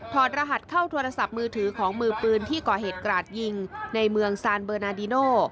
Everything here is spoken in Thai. รหัสเข้าโทรศัพท์มือถือของมือปืนที่ก่อเหตุกราดยิงในเมืองซานเบอร์นาดิโน